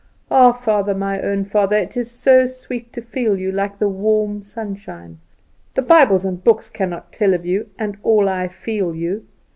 "Ah, Father, my own Father, it is so sweet to feel you, like the warm sunshine. The Bibles and books cannot tell of you and all I feel you.